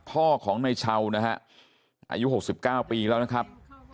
พ่อของในชาวนะฮะอายุหกสิบเก้าปีแล้วนะครับ